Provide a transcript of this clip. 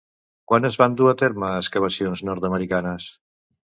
Quan es van dur a terme excavacions nord-americanes?